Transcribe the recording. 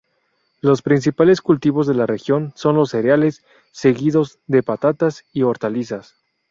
Los principales cultivos de la región son los cereales, seguidos de patatas y hortalizas.